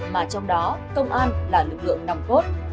mà trong đó công an là lực lượng nòng cốt